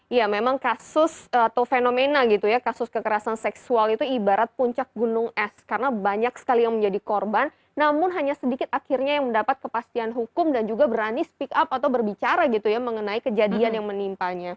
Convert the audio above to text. ya memang kasus atau fenomena gitu ya kasus kekerasan seksual itu ibarat puncak gunung es karena banyak sekali yang menjadi korban namun hanya sedikit akhirnya yang mendapat kepastian hukum dan juga berani speak up atau berbicara gitu ya mengenai kejadian yang menimpanya